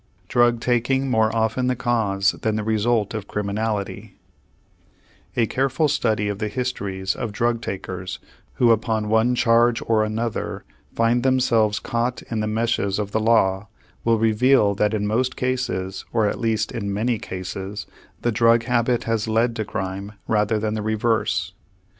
DRUG TAKING MORE OFTEN THE CAUSE THAN THE RESULT OF CRIMINALITY A careful study of the histories of drug takers who upon one charge or another find themselves caught in the meshes of the law will reveal that in most cases, or at least in many cases, the drug habit has led to crime rather than the reverse.